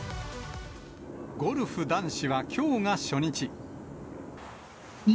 ゴルフ男子はきょうが初日。